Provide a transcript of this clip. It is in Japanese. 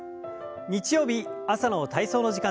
日曜日朝の体操の時間です。